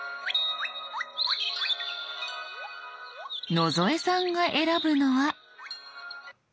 野添さんが選ぶのは。」）